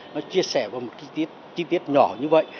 nó chia sẻ vào một chi tiết nhỏ như vậy